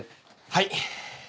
はい。